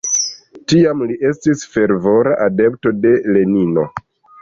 Tiam li estis fervora adepto de Lenino.